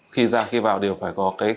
khi ra khi vào đều phải có sự kiểm soát